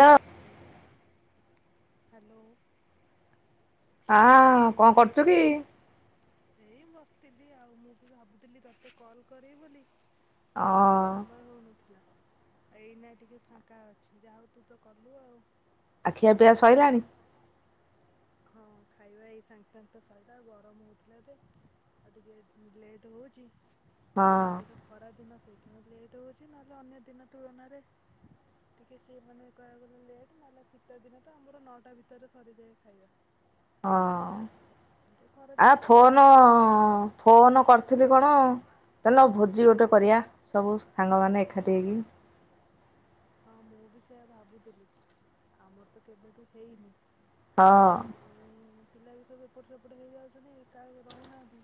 ଲୋ hello. ହଁ କଣ କରୁଚୁ କି? ଏଇ ମୁଁ ବସିଥିଲି ଆଉ ମୁଁ ବି ଭାବୁଥିଲି ତତେ କଲ କରିବି ବୋଲି। ଆଉ ଟିକେ ସମୟ ହଉନଥି ଏଇନା ଟିକେ ଫାଙ୍କା ଅଛି ଯାହା ହଉ ତୁ ତ କଲୁ ଆଉ। ଆ ଖିଆ ପିଆ ସଇଲାଣି। ହଁ। ଖାଇବା ଏଇ ସାଙ୍ଗେ ସାଙ୍ଗେ ତ ସରିଲା ଆ ଗରମ ହଉଥିଲା ଆଉ ଟିକେ ଲେଟ୍ ହଉଛି। ହଁ। ସେଇଥିପାଇଁ ଲେଟ୍ ହଉଛି ନହେଲେ ଅନ୍ୟ ଦିନ ତୁଳନାରେ ଟିକେ ସେ ମାନେ କହିବାକୁ ଗଲେ ଲେଟ ନହେଲେ ଶୀତ ଦିନ ତ ଆମର ନଅଟା ଭିତରେ ସରିଯାଏ ଖାଇବା। ହଁ। ଆ ଫୋନ ଅ -ଫୋନ କରିଥିଲି କଣ ଚାଲୁନ ଭୋଜି ଗୋଟେ କରିବା ସବୁ ସାଙ୍ଗ ମାନେ ଏକାଠି ହେଇକି ହଁ ମୁଁ ବି ସେୟ ଭାବୁଥିଲି ଆମର ତ କେବେଠୁ ହେଇନି ଆ ଏଥିବୋଇଁ [inaudible] ପିଲା ବି ସବୁ ଏପଟ ସେପଟ ହେଇଯାଉଛଛନ୍ତି ଏକା ଆଉ ରହୁନାହାନ୍ତି।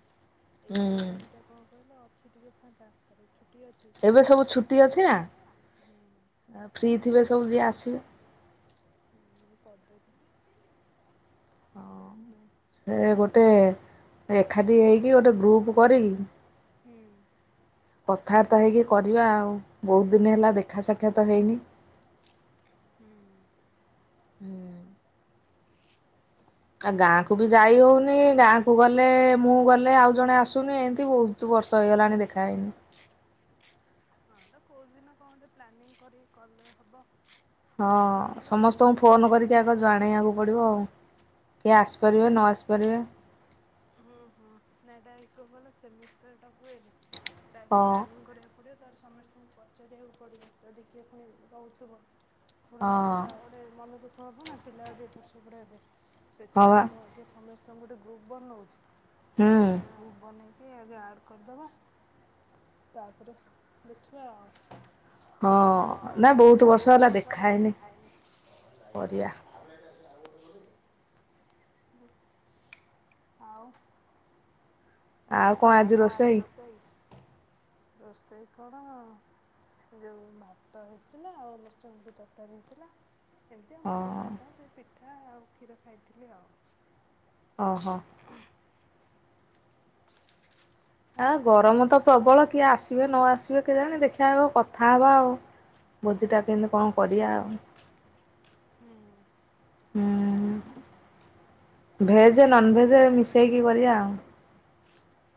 ଏଇଟା ଏଇ ଟାଇମ ଟା କଣ କହିଲ। ଅଛି ଟିକେ ଫାଙ୍କା [inaudible] ଅଛି ଫ୍ରି ଅଛି ଫ୍ରି ଥିବେ ସବୁ ଯିଏ ଆସିବେ ମୁଁ କରିଦେବି ହଁ ସେ ଗୋଟେ ଏକାଠି ହେଇକି ଗୋଟେ ଗ୍ରୁପ କରିକି ହୁଁ। କଥାବାର୍ତ୍ତା ହେଇକି କରିବା ଆଉ ବହୁତ ଦିନ ହେଲା ଦେଖା ସାଖାତ ହେଇନି ହୁଁ। ଆଉ ଗାଁ କୁ ବି ଯାଇ ହଉନି। ଗାଁ କୁ ଗଲେ ମୁଁ ଗଲେ ଆଉ ଜଣେ ଆସୁନି ଏମିତି ବହୁତ ବର୍ଷ ହେଇଗଲାଣି ଦେଖା ହେଇନି। କୋଉଦିନ କଣ ଗୋଟେ ପ୍ଲାନିଂ କରି କଲେ ହବ। ହଁ ସମସ୍ତଙ୍କୁ ଫୋନ କରିକି ଆଗ ଜଣେଇବାକୁ ପଡିବ ଆଉ। କିଏ ଆସିପାରିବେ ନ ଆସିପାରିବେ। ହୁଁ ହୁଁ ନା ଏଟା ସେମିତି ତ ହୁଏନି। ସେଇଟା ଆଗେ ପ୍ଲାନିଂ କରିବାକୁ ପ [unintelligible] ତାର ସମସ୍ତଙ୍କୁ ପଚାରିବାକୁ ପଡିବ ଯ ଦେଖିଏ ପୁଣି ରହୁଥିବ ଫୁଣି ନହେଲେ ଏଟା ଗୋଟେ ମନ ଦୁଃଖ ଖ ହବ ନା ପିଲା ଯଦି ଏପଟ ସେପଟ ହେବେ। ସେଥିପାଇଁ ମୁଁ ଆଗେ ସମସ୍ତେ ତାଙ୍କୁ ଗୋଟେ ଗ୍ରୁପ ବନଉଛି। ଗ୍ରୁପ ବନେଇକି। ଆଗେ ଆଡ କରିଦବା ତାପରେ ଦେଖିବା ଆଉ। ହଁ ନାଇଁ ବହୁତ ବର୍ଷ ହେଲା ଦେଖା ହେଇନି ଆଉ। ଆଉ କଣ ଆଜି ରୋଷେଇ? ରୋଷେଇ କଣ ଯୋଉ ଭାତ ହେଇଥିଲା ଆଉ ଚିଙ୍ଗୁଡ଼ି ତରକାରୀ ହେଇଥିଲା। ଏମିତି ଆମର ତ ସାଧା ସେ ପି ପିଠା ଆଉ କ୍ଷୀର ଖାଇଥିଲି ଆଉ। ଆ ଗରମ ତ ପ୍ରବଳ କିଏ ଆସିବେ ନ ଆସିବେ କେ ଜାଣି ଦେଖିବା ଆଗ କଥା ହେବା ଆଉ ଭୋଜିଟା କେମତି କଣ କରିବା ଆଉ। ହୁଁ। [inaudible] ଆଁ ଭେଜ ନନଭେଜ ମିଶେଇକି କରିଆ।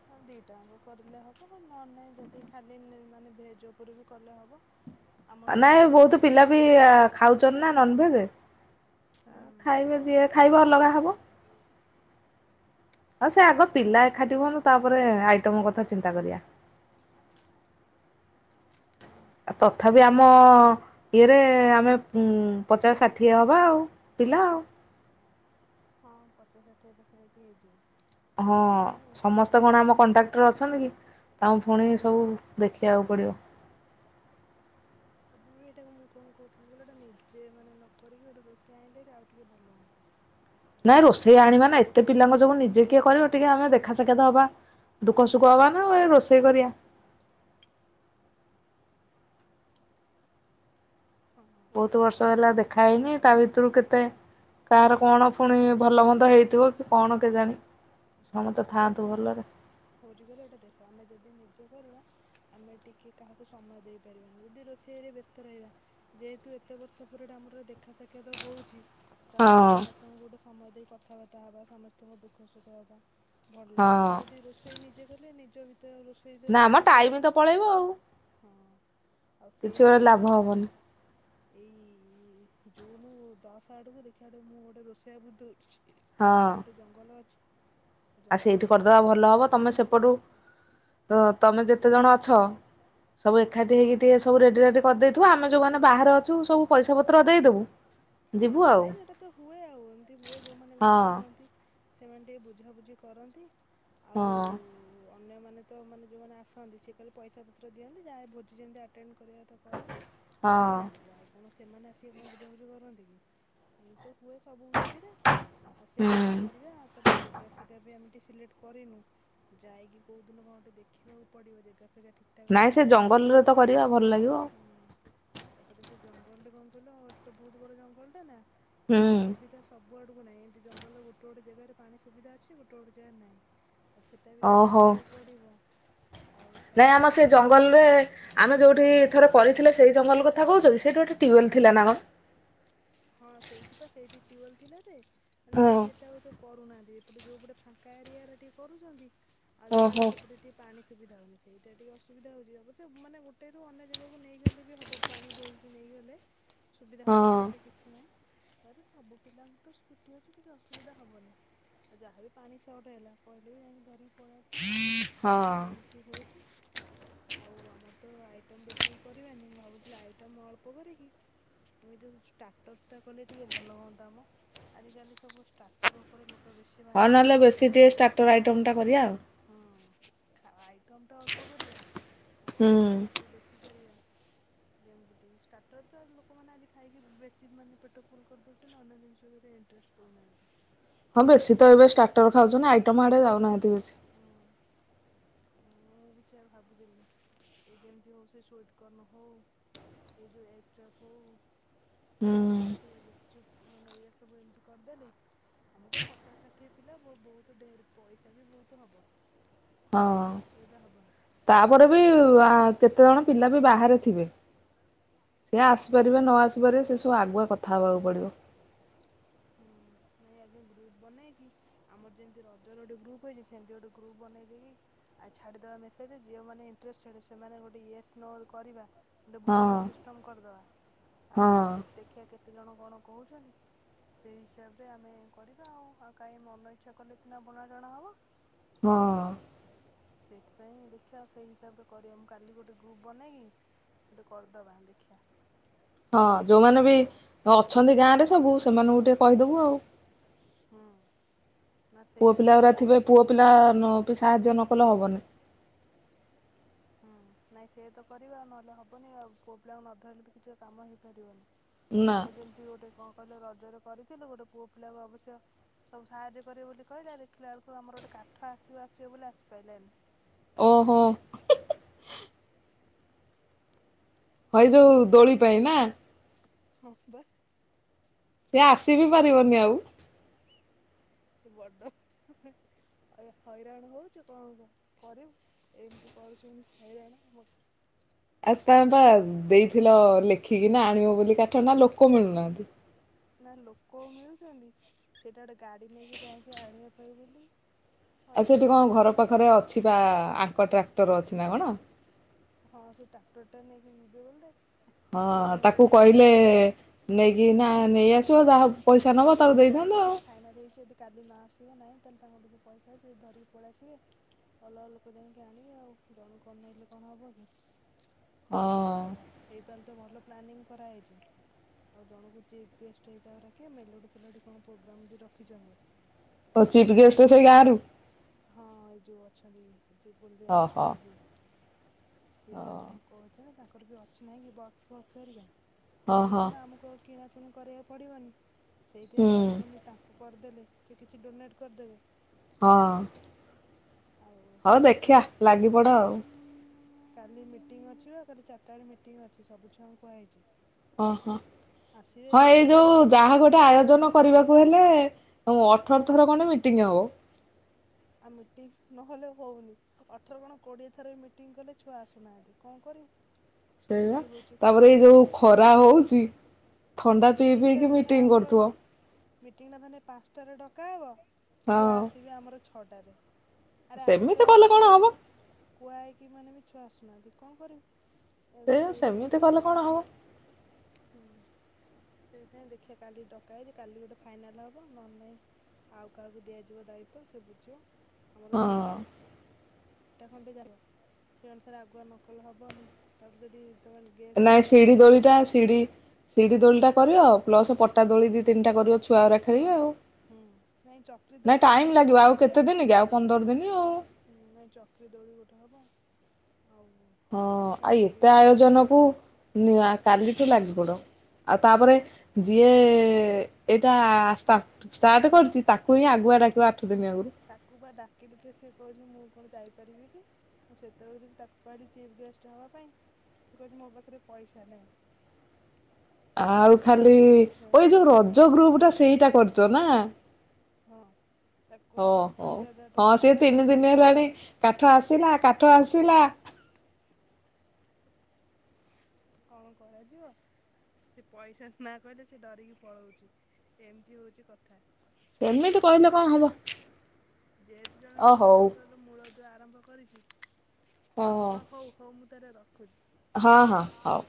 ହଁ ଦିଟାଙ୍କ କରିଲେ ହବ ନ ନହିଁ ଯଦି ଖାଲି ମାନେ ଭେଜ ଉପରେ ବି କଲେ ହବ। ନାଇଁ ବହୁତୁ ପିଲା ବି ଆ ଖାଉଚନ୍ ନା ନନଭେଜ। ଖାଇବେ ଯିଏ ଖାଇବ ଅଲଗା। ହବ। ଅ ସେ ଆଗ ପିଲା ଏଖାଠି ହୁଅନ୍ତୁ ତାପରେ ଆଇଟମ କଥା ଚିନ୍ତା କରିବା। ତଥାବି ଆମ ଇଏରେ ଆମେ ଉଁ ପଚାଶ ଷାଠିଏ ହବା ଆଉ ପିଲାଉ ଷାଠିଏ ପାଖାପାଖି ହେଇଯିବ। [inaudible] ହଁ ସମସ୍ତେ କଣ ଆମ କଣ୍ଟାକ୍ଟରେ ଅଛନ୍ତି କି ତାଉଁ ପୁଣି ସବୁ ଦେଖିବାକୁ ପଡ଼ିବ। ଏଇଟାକୁ ମୁଁ କଣ କହୁଥିଲି ଗୋଟେ ନିଜେ ମାନେ ନ କରିକି ଗୋଟେ ରୋଷେଇଆ ଆଣିଲେ ହାରି ଆଉ ଟିକେ ଭଲ ହୁଅନ୍ତା ନା ରୋଷେଇ ଆଣିବା ନା ଏତେ ପିଲାଙ୍କ ଯୋଗୁ ନିଜେ କିଏ କରିବ ଟିକେ ଆମେ ଦେଖା ସାକ୍ଷାତ ହବା ଦୁଃଖ ସୁଖ ହବା ନା ଏ ରୋଷେଇ କରିଆ। ବହୁତ ବର୍ଷ ହେଲା ଦେଖା ହେଇନି ତା ଭିତରୁ କେତେ? କାଆର କଣ ପୁଣି ଭଲ ମନ୍ଦ ହେଇଥିବ କି କଣ କେଜାଣି? ତାପରେ କଣ ହଉଛିକହିଲ ଏଇଟା ଦେଖ ଆମେ ଯଦି ନିଜେ କରିବା ଆମେ ଟିକେ କାହାକୁ ସମୟ ଦେଇପାରିବାନି ଯଦି ରୋଷେଇରେ ବ୍ୟସ୍ତ ରହିବା ଯେହେତୁ ଏତେ ବର୍ଷ ପରେଟା ଆମର ଦେଖା ସାକ୍ଷାତ ହଉଛି ତ ଆମେ ସମସ୍ତଙ୍କୁ ଗୋଟେ ସମଧ କଥାବାର୍ତା ହବା ସମସ୍ତଙ୍କ ଦୁଃଖ ସୁଖ ହବା। ଭଲ ଲାଗିବ ଆଉ ଯଦି ରୋଷେଇ ନିଜେ ଗଲେ ନି ମତେ ରୋଷେଇ ଯ ସମୟ ପଳେଇବ [inaudible] ହଁ। ଆଉ ସେଇୟଆ କରିବେ ତାହେଲେ। ଏଇ ଜୁନ ଦଶ ଆଡକୁ ଦେଖିବା ଆଡକୁ ମୁଁ ଗୋଟେ ରୋଷେଇଆ ବୁଝିଦଉଛି। ଆମର ଗୋଟେ ଜଙ୍ଗଲ ଅଛି। ଆ ସେଇଠି କରିଦବା ଭଲ ହବ ତମେ ସେପଟୁ ତ ତମେ ଯେତେ ଜଣ ଅଛ ସବୁ ଏଖାଠି ହେଇକିି ଥିବେ ସବୁ ରେଡି ରାଡି କରିଦେଇ ହୁଏ ଆମେ ଯୋଉମାନେ ବାହାରେ ଅଛୁ ସବୁ ପଇସା ପତ୍ର ଦେଇଦବୁ। ହଁ ନାଇଁ ସେଟା ତ ହୁଏ ଆଉ ଏମିତି ହୁଏ ଯୋଉମାନେ ଗାଁରେ ରୁହନ୍ତି ସେମାନେ ଟିକେ ବୁଝାବୁଝି କରନ୍ତି। ହଁ। ଅନ୍ୟମାନେ ତ ମାନେ ଯେଉମାନେ ଆସନ୍ତିି ଖାଲି ପଇସା ପତ୍ର ଦିଅନ୍ତି। ଯାହା ଭୋଜି ଯେ ଆଟେ କରିବା ତ କରନ୍ତି ତାପରେ ଯାଆନ୍ତି ଆଉ କଣ' ସେମାନେ ଆସିକି କଣ ବୁଝାବୁଝି କରନ୍ତି। ମୁତ ହୁଏ ସବୁ ଭୋଜିରେ ଆଉ ସେଇୟା ବି କରିବା ଆଉ ତାହଲେ ଜାଗା ଫାଗା ବି ଆମେ ସିଲେକ୍ଟ କରିନୁ, ଯାଇକି କୋଉ ଦିନ କଣ ଦେଖିବାକୁ ପଡିବ ଜେଗା ନାଇଁ ସେ ଜଙ୍ଗଲରେ ତ କରିବା ଭଲଲାଗିବ। ତାପରେ ସେ ଜଙ୍ଗଲ ରେ କଣ କହିଲ ତ ବହୁତ ବଡ ଜଙ୍ଗ ଲଟା ନା ପାଣି ସୁବିଧା ସବ୍ ସବୁ ଆଡକୁ ନାଇଁ, ଏମିତି ଜଙ୍ଗଲରେ ଗୋଟେ ଗୋଟେ ଜାଗାରେ ପାଣି ସୁବିଧା ଅଛି। ଗୋଟେ ଗୋଟେ ଜାଗାରେ ନାଇଁ। ଆ ସେଟା ବି ଟିକେ ଦେଖିବାକୁ ପଡିବ। ନାଇଁ ଆମ ସେ ଜଙ୍ଗଲରେ ଆମେ ଯୋଉଠି ଥରେ କରିଥିଲେ ସେଇ ଜଙ୍ଗଲ କଥା କହୁଚକି। ସେଇଠି ଗୋଟେ ଟିବଲ୍ ଥିଲା ନା କଣ, ହଁ ସେଇଟି ପା ସେଇଟି ଟିଅଲ୍ ଥିଲା ଯେ ମାନେ ସେଇଠି ଏତେ ଆଉ ଏ କରୁନାହାନ୍ତି, ଏପଟେ ଯୋଉପଟେ ଫାଙ୍କା ଏରିଆରା ଟିକେ କରୁଚନ୍ତି। ଆ ଦେଖିଲାବେଳକୁ ସେପଟେ ଟିକେ ପାଣି ସ ଅସୁବିଧା ହଉନି, ସେଇଟା ଟିକେ ଅସୁବିଧା ହଉଚି। ଅବଶ୍ଯ ମାନେ ଗୋଟେ ର ଅନ୍ୟ ଜାଗାକୁ ନେଇଗଲେ ବି ହବ। ପାଣି ବୋହିକି ନେଇଗଲେ ସୁବିଧା ହବ ସେମିତି ହଁ ଆରେ ସବୁ ପିଲାଙ୍କର ତ ସ୍କୁଟି ଅଛି, କିଛି ଅସୁବିଧା ହବନି। ଆଉ ଯାହାର ପାଣି ସଟ ହେଲା, କହିଲେ ବି ଯାଇକି ଧରିକି ପଳେଇ ଆସିବା ଏମିତି ହଉଚି। ଆଉ ଆମର ତ ଆଇଟମ ବେଶୀ କରିବାନି। ମୁଁ ଭାବୁଥିଲି ଆଇଟମ୍ ଅଳ୍ପ କରିକି, ଆମେ ଯୋଉ ସ୍ଟା ଟରଟା କଲେ ଟିକେ ଭଲ ହୁଅନ୍ତା, ମ ଆଜିକାଲି ସବୁ ଷ୍ଟାଟର ଉପରେ ଲୋ ହଁ ନହେଲେ ବେଶୀ ଟିକେ ଷ୍ଟାଟର ଆଇଟମ୍ଟା କରିବା ଆଉ। ଖା ଆଇଟମ ତ ଅଳ୍ପ କରିବା। ଆଉ ଷ୍ଟାର୍ଟର ଟା ଟିକେ ବେଶୀ କରିବା। ଯେମତି ଟିକେ ଷ୍ଟାଟର ତ ଲୋକମାନେ ଆଜି ଖାଇକି ବେସ୍ କିମାନେ ପେଟ ଫୁଲ କରିଦେଉଛନ୍ତି। ଅନ୍ୟ ଜିନିଷ କୁ ଏତେ ଇଣ୍ଟରେଷ୍ଟ ଦଉନାହାନ୍ତି। ହଁ ବେଶୀ ତ ଏବେ ଷ୍ଟାର୍ଟର ଖାଉଛନ୍ତି, ଆଇଟମ ଆଡେ ଯାଉନାହାନ୍ତି ବେଶୀ। ମୁଁ ବି ସେୟା ଭାବୁଥିଲି, ଏ ଯେମିତି ହଉ ସେ ସୁଇଟକର୍ନ ହଉ ଏଯୋଉ ଏଗ୍ ଚପ୍ ହଇ ଚାଟ୍ ଗୁପଚୁପ ମାନେ ଏଇରା ସବୁ ଏମତି କରିଦେଲେ। ଆମର ତ ପଚାଶ ଷାଠିଏ ପିଲା ବ ବହୁତ ଢେର୍ ପଇସା ବି ବହୁ ତହବ। ହଁ [inaudible] ତାପରେ ବି ଆଁ କେତେ ଜଣ ପିଲା ବି ବାହାରେ ଥିବେ। [inaudible] ସେ ଆସିପାରିବେ ନ ଆସିପାରିବେ, ସେ ସବୁ ଆଗୁଆ କଥା ହବାକୁ ପଡ଼ିବ। ହୁଁ ଏଇଆଗେ ଗ୍ରୁପ ବନେଇକି ଆମର ଯେମିତି ରଜରେ ଗୋଟେ ଗ୍ରୁପ ହେଇଚି, ସେମିତି ଗୋଟେ ଗ୍ରୁପ ବନେଇଦେଇକି, ଆ ଛାଡିଦେବା ମେସେଜ୍ ଯୋଉମାନେ ଇଣ୍ଟରେଷ୍ଟଡ୍ ସେମାନେ ଗୋଟେ ୟେସ୍ ନୋ କରିବା। ଗୋଟେ ଭୋଟିଂ ସିଷ୍ଟମ କରିଦବା ଆଉ ସେ ଦେଖିବା କେ କେତେ ଜଣ କଣ କହୁଛନ୍ତି। ସେଇ ହିସାବ ରେ ଆମେ କରିବା, ଆଉ ଆଉ କାହିଁ ମନ ଇଚ୍ଛା କଲେ ସିନା ବଣା ଜଣା ହବ। ହଁ। ସେଇଥିପାଇଁ ଦେଖିବା ସେଇ ହିସାବରେ କରିବା, ମୁଁ କାଲି ଗୋଟେ ଗ୍ରୁପ ବନେଇକି ଗୋଟେ କରିଦବା ଦେଖିଆ। ହୁଁ ଯୋଉମାନେ ବି ଅଛନ୍ତି ଗାଁ ରେ ସବୁ ସେମାନେଙ୍କୁ ଗୋଟେ। କହିଦବୁ ଆଉ। ପୁଅ ପିଲା ଉରା ଥିବେ ପୁଅ ପିଲା ବି ସାହାଯ୍ୟ ନ ହେବନି ହୁଁ ନାଇଁ ସେଏ ତ କରିବା ନହେଲେ ହବନି ଆଉ ପୁଅ ପିଲାଙ୍କୁ ନ ଧରିଲେ ତ କିଛି କାମ ହେଇପାରିବନି। ଆମେ ଯେମିତି ଗୋଟେ କଣ କହିଲେ ରଜରେ। କରିଥିଲୁ ଗୋଟେ ପୁଅ ପିଲାକୁ ଅବଶ୍ୟ ସବୁ ସାହାଯ୍ୟ କରିବେ ବୋଲି କହିଲେ ଦେଖିଲା ବେଳକୁ ଆମର ଗୋଟେ କାଠ ଆସିବ ଆସିବ ବୋଲି ଆସିପାରିଲାନି ଓହୋ ହ ଏଇ ଯୋଉ ଦୋଳି ପାଇଁ ନା। ହଁ ବାସ୍ ସେ ଆସିିବି ପାରିବନି ଆଉ। ବଡମେ ହଇରାଣ ହଉଛି କଣ କ କରିବୁ ଏମିତି କରୁଛ ଏମିତି ହଇରାଣ ଆମ। ଆ ତମ ପା ଦେଇଥିଲ ଲେଖିକି ନା ଆଣିବ ବୋଲି କାଠ ନା ଲୋକ ମିଳୁନାହାନ୍ତି। ନା ଲୋକ ମିଳୁଛନ୍ତି ସେଟା ଗୋଟେ ଗାଡି ନେଇକି ଯାଇକି ଆଣିବା ପାଇଁ ବୋଲି ଆଉ ସେଠି କଣ ଘର ପାଖରେ ଅଛି ବା ଆଙ୍କ ଟ୍ରାକ୍ଟର ଟ୍ରାକ୍ଟର ଅଛି ନା କଣ। ହଁ ସେ ଟାକ୍ଟର ଟା ନେଇକି ଯିବ ବୋଧେ। ହଁ ତାକୁ କହିଲେ ନେଇକି ନା ନେଇ ଆସିବ ଚଉଦ ନାଇଁ କାଲି ସକାଳୁ ସୋ ଫାଇନାଲ ହେଇଛି ଯଦି କାଲି ନ ଆସ ଥିବ ନାଇଁ ତାହେଲେ ତାଙ୍କଠୁ ଯୋଉ ପଇସା ସେ ଧରିକି ପଳେଇସିବେ ଅଲଗା ଲୋକ ଯାଇକି ଆଣିବେ ଆଉ ଜଣ କଣ ନେଇଲେ କଣ ହବ କି ଆଉ ହେଇପାରିଲେ ତ ଭଲ। ପ୍ଲାନିଂ କରାଯାଇଛି ଆଉ ଜଣ ଚ ଗେ ହେଇ ମେଲୋଡି ଫେଲୋଡି କଣ ପ୍ରୋଗ୍ରାମ ବି ରଖିଛନ୍ତି। ଯେ ମାନେତିନ ହଁ ଯୁ ଚାଲି ବୁଦ ଆଇ ବଛି। ସିଏ ତା କହୁଛି ତା ବି ଅଛି ନାହିଁ କି ବା ଫ ଫର କଲେ କଣ ଆମକୁ କିଣା ପୁଣି କରିବାକୁ ପଡ଼ିବନି? ସେଇଥିପାଇଁ ଭାବିଛନ୍ତି ତାଙ୍କୁ କରିଦେଲେ ସେ କିଛି ଡୋନେଟ କରିଦେବେ। ହଁ ହଉ ଦେଖିବା ଲାଗି ପଡ ଆଉ କାଲି ମିଟିଙ୍ଗ ଅଛି ବା କାଲି ଚାରିଟା ବେଳେ ମିଟିଙ୍ଗ ଅଛି ସବୁ ଛୁଆଙ୍କୁ କୁହି ଓହୋ ହଁ ଏଇ ଯୋଉ ଯାହା ଗୋଟେ ଆୟୋଜନ କରିବାକୁ ହେଲେ ଅଠର ଥର କଣ ମିଟିଂ ହବ। ଆଉ ମିଟିଂ ନହେଲେ ହଉନି ଅଠର ଗଣ କୋଡିଏ ଥର ମିଟିଂ କଲେ ଛୁଆ ଆସୁନାହାନ୍ତି କଣ କରିବୁ। ସେଇ ତାପରେ ଏଇ ଯୋଉ ଖରା ହଉଛି। ଥୋଣ୍ଡା ପି ପିକ ମିଟିିଙ୍ଗଂ କରତୁ ମିଟିଂ ଟା ଧଲେ ପାଞ୍ଚଟାରେ ଡକାହବ? ଛୁଆ ଆସିବେ ଆମର ଛ ାରେ ଆରେ ଆସରେ ଆସରେ କୁହା ହେଇକି ମାନେ ବି? କିନ୍ତୁ ଆସୁନାହାନ୍ତି କଣ କରିବୁ? ଦେ ସେମିତି କଲେ କଣ ହବ? ସେଇଥୀଇ ଦେଖିଆ କାଲି ଡକା ହେଇତି କାଲି ଗୋଟେ ଫାଇନାଲ ହବ ନହେଲେ ନାଇ ଆଉ କାହାକୁ ଦିଆଯିବ ଦାୟିତ୍ୱ ସେ ବୁଝିବ। ହଁ ଣ୍ଟା ଖଣ୍ଡେ ଯା ସେଇ ଅନୁସାରେ ଆଗୁଆ ନକଲ ହବନି ତାପରେ ଯଦି ନାଇଁ ସିଢ ଦୋଳିଟା ସିଢ ସିଡି ଦୋଳି କରିବା ଆଉ ପ୍ଲସ ପଟା ଦୋଳି ଦି ତିନିଟା ଗଛ ବା ରା ଖେଳିବେ ଆଉ ନାଇଁ ଟାଇମ ଲାଗିବ ଆଉ କେତେ ଦିନ କି ଆଉ ପନ୍ଦର ଦିନ ଆଉ। ହବ। ହଁ ଆଉ ଏତେ ଆୟୋଜନକୁୁ ଇଏ କାଲିଠୁ ଲାଗିପଡ଼ ଆଉ ତାପରେ ଯିଏ ଏଇଟା ଷ୍ଟାଟ ଷ୍ଟାର୍ଟ କରିଛି ତାକୁ ହିଁ ଆଗୁଆ ଡାକିବ। ତାକୁ ବା ଡାକିଲିଲି ଜେ ସେ କହୁଛି ମୁଁ କଣ? [unintelligible] ଯେତେବେଳେ ଜେନ୍ତି ତାକୁ କହିଲି ଚେପ ଗେଷ୍ଟ ହବା ପାଇଁ ସେ କହୁଚି ମୋ ପାଖରେ ପଇସା ନାହିଁ। ଆ କାଲି ଓ ଏଇ ଯୋଉ ରଜ ଗ୍ରୁପ ଟା ସେଇ କରଚ ନା। ଓହୋ ହଁ ସେ ତିନି ଦିନି ହେଲାଣି କାଠ କାଟିଥିଲା କାଠ ଆସିଲା। କଣ କରାଯିବ ସେ ପଇସା ନା କହିଲେ ସେ ଡରିକି ପଳଉଚି ଏମିତି ହଉଛି କଥା। ଯେହେତୁ ଜଣେ ଗୋଟେ କଣ କହିଲୁ ମୂଳ ଦୁଆ ଆରମ୍ଭ କରି ହ। ଅ ହ ହଉ ହଉ ମୁଁ ତାହଲେ ରଖ କରୁଛି। ହଁ ହଁ ହଉ।